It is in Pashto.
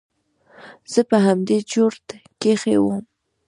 زه په همدې چورت کښې وم.